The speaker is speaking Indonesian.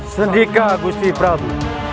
sendika gusti prabu